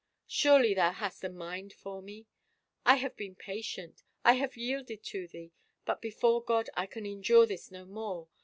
Surely thou hast a mind for me? ... I have been patient — I have yielded to thee — but before God I can endure this no more.